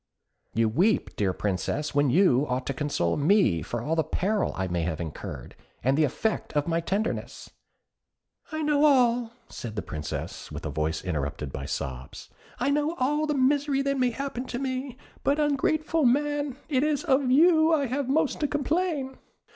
"You weep, dear Princess, when you ought to console me for all the peril I may have incurred, as the effect of my tenderness." "I know all," said the Princess, with a voice interrupted by sobs "I know all the misery that may happen to me; but, ungrateful man! it is of you I have most to complain."